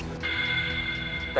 dan kita harus berhenti